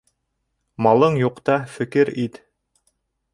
Малың юҡта фекер ит.